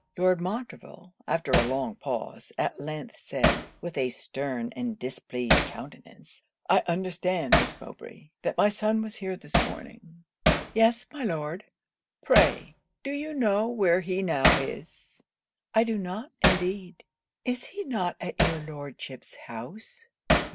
Lord Montreville, after a long pause, at length said, with a stern and displeased countenance, 'I understand, Miss Mowbray, that my son was here this morning.' 'Yes, my Lord.' 'Pray, do you know where he now is?' 'I do not, indeed. Is he not at your Lordship's house?'